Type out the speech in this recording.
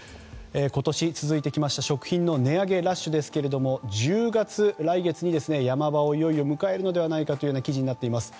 今年続いてきた食品の値上げラッシュ、来月の１０月に山場をいよいよ迎えるのではという記事になっています。